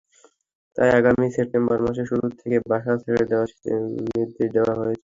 তাই আগামী সেপ্টেম্বর মাসের শুরু থেকেই বাসা ছেড়ে দেওয়ার নির্দেশ দেওয়া হয়েছে।